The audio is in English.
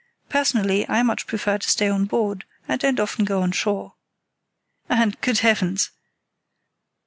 Personally, I much prefer to stay on board, and don't often go on shore. And, good Heavens!"